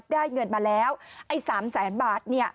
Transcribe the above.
ได้เงินมาแล้ว๓๐๐๐๐๐บาท